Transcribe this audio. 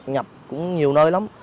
nhập cũng nhiều nơi lắm